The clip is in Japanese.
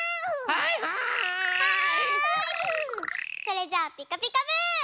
はいそれじゃあピカピカブ！